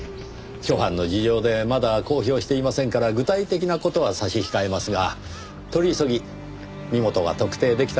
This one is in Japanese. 諸般の事情でまだ公表していませんから具体的な事は差し控えますが取り急ぎ身元が特定出来た事だけ。